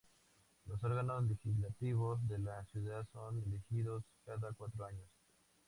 Los órganos legislativos de la ciudad son elegidos cada cuatro años.